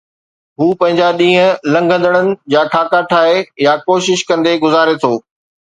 هو پنهنجا ڏينهن لنگهندڙن جا خاڪا ٺاهي، يا ڪوشش ڪندي گذاري ٿو